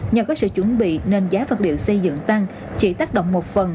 nhờ có sự chuẩn bị nên giá vật liệu xây dựng tăng chỉ tác động một phần